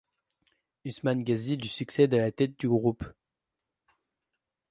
Usman Ghazi lui succède à la tête du groupe.